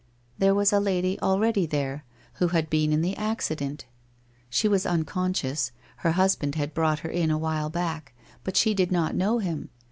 There was a lady already there, who had been in the accident ! She was unconscious, her husband had brought her in a while back, but she did not know him.